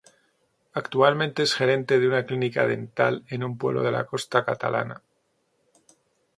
Actualmente es gerente de una clínica dental en un pueblo de la costa catalana.